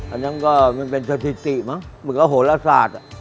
อันนั้นก็มันเป็นสถิติมั้งเหมือนกับโหลศาสตร์